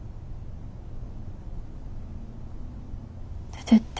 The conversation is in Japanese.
出てって。